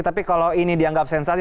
tapi kalau ini dianggap sensasi